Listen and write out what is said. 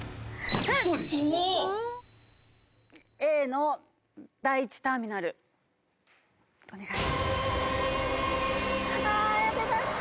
Ａの第１ターミナルお願いします